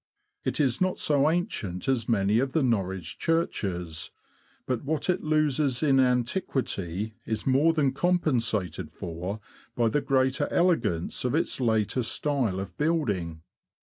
It is not so ancient as many of the Norwich churches ; but what it loses in antiquity is more than compen sated for by the greater elegance of its later style of building.